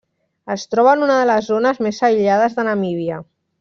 Es troba en una de les zones més aïllades de Namíbia.